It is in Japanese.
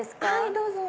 どうぞ。